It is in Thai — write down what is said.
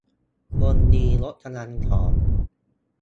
คนดียกกำลังสอง